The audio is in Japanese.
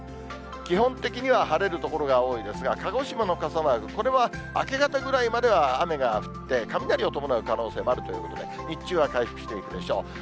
基本的には晴れる所が多いですが、鹿児島の傘マーク、これは明け方ぐらいまでは雨が降って、雷を伴う可能性もあるということで、日中は回復していくでしょう。